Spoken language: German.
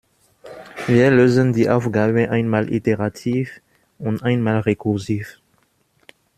Wir lösen die Aufgabe einmal iterativ und einmal rekursiv.